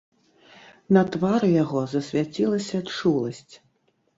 На твары яго засвяцілася чуласць.